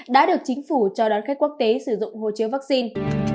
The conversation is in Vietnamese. đã được chính phủ cho đón khách quốc tế sử dụng hộ chiếu vaccine